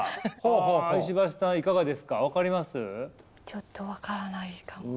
ちょっと分からないかも。